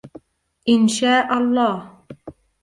إن شاء الله...